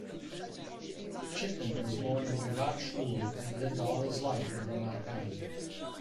Chitman was born in Giv'at Shmuel and lived all his life in Ramat Gan.